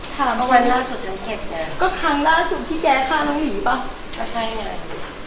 ถามเมื่อไหร่ก็ครั้งล่าสุดที่แกฆ่าน้องหลีเปล่าก็ใช่เนี่ย